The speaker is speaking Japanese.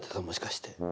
もしかして。